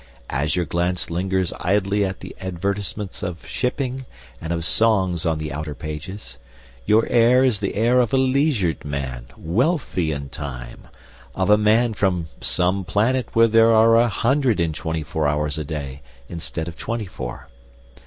As your glance lingers idly at the advertisements of shipping and of songs on the outer pages, your air is the air of a leisured man, wealthy in time, of a man from some planet where there are a hundred and twenty four hours a day instead of twenty four.